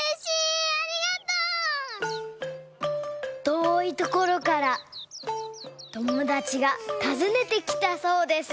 とおいところからともだちがたずねてきたそうです。